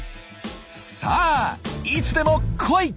さあいつでも来い！